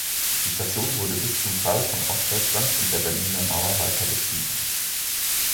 Die Station wurde bis zum Fall von Ostdeutschland und der Berliner Mauer weiter betrieben.